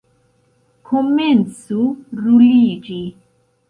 Komencu ruliĝi!